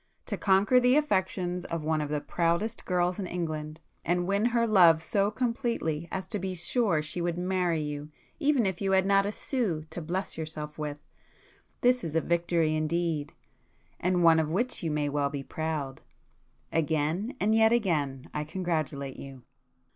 To conquer the affections of one of the proudest girls in England, and win her love so completely as to be sure she would marry you even if you had not a sou to bless yourself with—this is a victory indeed!—and one of which you may [p 209] well be proud. Again and yet again I congratulate you!"